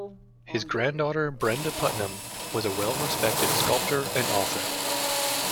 His granddaughter Brenda Putnam was a well-respected sculptor and author.